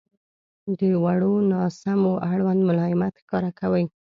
• د وړو ناسمیو اړوند ملایمت ښکاره کوئ.